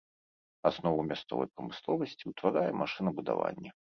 Аснову мясцовай прамысловасці ўтварае машынабудаванне.